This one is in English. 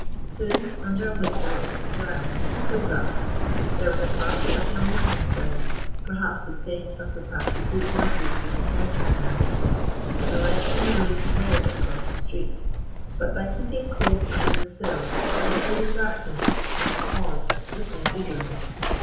Soon, under a window in St. Giles's, he pulled up. There was a party of young men inside perhaps the same supper party whose voices he had heard just now. The light from the room flared across the street; but by keeping close under the sill he stood in darkness, and he paused, listening eagerly.